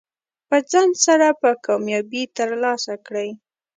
په ځنډ سره به کامیابي ترلاسه کړئ.